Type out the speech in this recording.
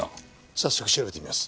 早速調べてみます。